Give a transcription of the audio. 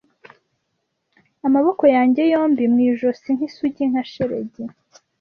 Amaboko yanjye yombi mu ijosi nk'isugi nka shelegi